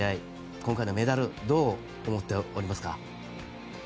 今回のメダルどう思っておりますか？